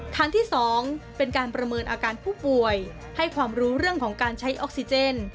ทางที่๒เป็นการประเมินอาการผู้ป่วยให้ความรู้เรื่องของการใช้ออกซิเจน